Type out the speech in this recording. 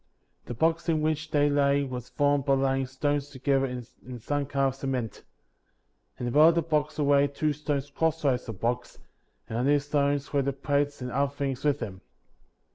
The box in which they lay was formed by laying stones together in some kind of cement In the bottom of the box were laid two stones crossways of the box, and on these stones lay the plates and the other things with them.